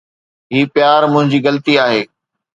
هي پيار منهنجي غلطي آهي